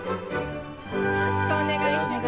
よろしくお願いします。